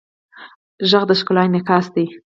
غږ د ښکلا انعکاس دی